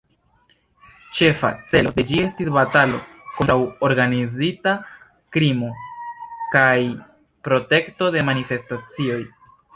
Ĉefa celo de ĝi estis batalo kontraŭ organizita krimo kaj protekto de manifestacioj.